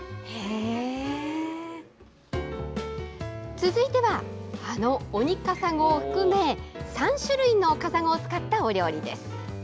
続いては、あのオニカサゴを含め、３種類のカサゴを使ったお料理です。